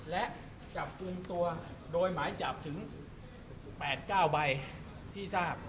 และจับกลุ่มตัวโดยหมายจับถึง๘๙ใบที่ทราบ